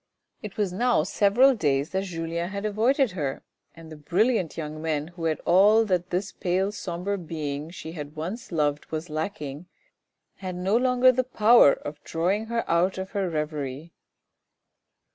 It was now several days that Julien had avoided her, and the brilliant young men who had all that this pale sombre being she had once loved was lacking, had no longer the power of drawing her out of her reverie.